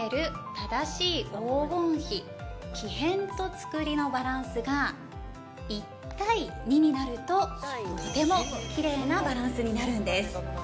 木へんとつくりのバランスが１対２になると、とてもキレイなバランスになるんです。